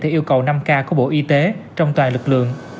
theo yêu cầu năm k của bộ y tế trong toàn lực lượng